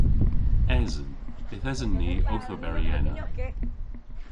Esen. Yth esen ni owth oberi ena.